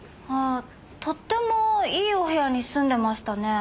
とってもいいお部屋に住んでましたね。